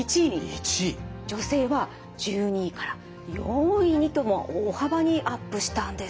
女性は１２位から４位にと大幅にアップしたんです。